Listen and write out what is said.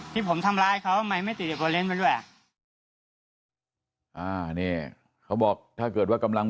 ที่ผมทำร้ายเขาไม่ไม่ติดไปด้วยอ่านี่เขาบอกถ้าเกิดว่ากำลัง